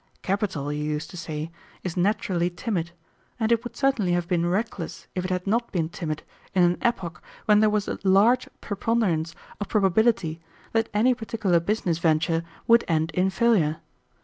'Capital,' you used to say, 'is naturally timid,' and it would certainly have been reckless if it had not been timid in an epoch when there was a large preponderance of probability that any particular business venture would end in failure.